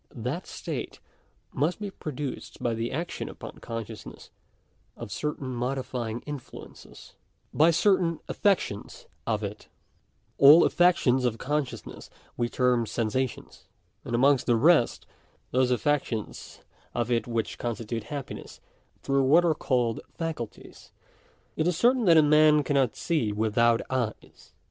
That state must be produced by the action upon consciousness of certain modifying influences — by certain affections of it All affec tions of consciousness we term sensations. And amongst the rest, those affections of it which constitute happiness must be sensations. But how do we receive sensations? Through what are called faculties. Tt is certain that a man cannot see without eyes.